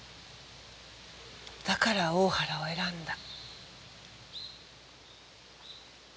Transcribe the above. だから大原を選んだ。